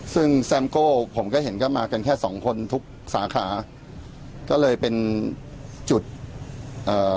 ซึ่งแซมโก้ผมก็เห็นก็มากันแค่สองคนทุกสาขาก็เลยเป็นจุดเอ่อ